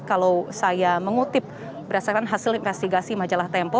kalau saya mengutip berdasarkan hasil investigasi majalah tempo